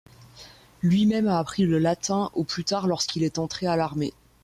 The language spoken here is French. Lui-même a appris le latin au plus tard lorsqu'il est entré à l'armée.